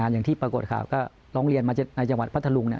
อย่างที่ปรากฏครับก็ร้องเรียนมาในจังหวัดพัทธรุงเนี่ย